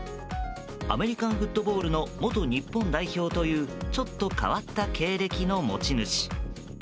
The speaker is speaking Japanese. アメリカンフットボールの元日本代表というちょっと変わった経歴の持ち主。